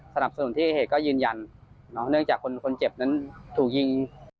สนับสนุนที่เหตุก็ยืนยันเนื่องจากคนเจ็บนั้นถูกยิง